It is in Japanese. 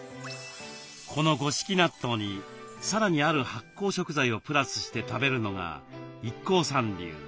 この五色納豆にさらにある発酵食材をプラスして食べるのがＩＫＫＯさん流。